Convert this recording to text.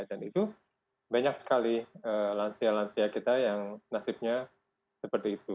dan itu banyak sekali lansia lansia kita yang nasibnya seperti itu